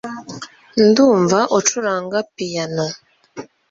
ndumva ucuranga piyano